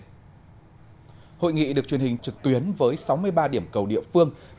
hội nghị được truyền hình trực tuyến với sáu mươi ba điểm cầu địa phương